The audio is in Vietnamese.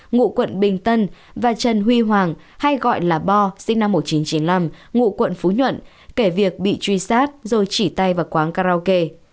ngụ quận bình tân và trần huy hoàng hay gọi là bo sinh năm một nghìn chín trăm chín mươi năm ngụ quận phú nhuận kể việc bị truy sát rồi chỉ tay vào quán karaoke